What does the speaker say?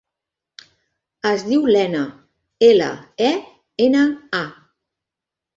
Es diu Lena: ela, e, ena, a.